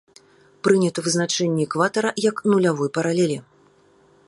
Прынята вызначэнне экватара як нулявой паралелі.